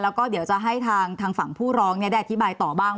แล้วก็เดี๋ยวจะให้ทางฝั่งผู้ร้องได้อธิบายต่อบ้าง